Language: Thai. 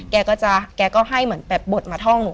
ก็จะแกก็ให้เหมือนแบบบทมาท่องหนู